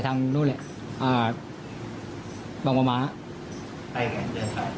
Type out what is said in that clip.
ไม่เห็นใครเลยผมก็มุ่งหน้าไปทางนู้นแหละบางประมาณ